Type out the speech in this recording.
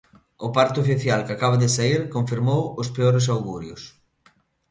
O parte oficial que acaba de saír confirmou os peores augurios.